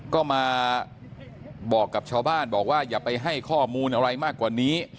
ก็มาบอกกับชาวบ้านบอกว่าอย่าไปให้ข้อมูลอะไรมากกว่านี้